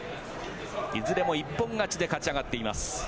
いずれも一本勝ちで勝ち上がっています。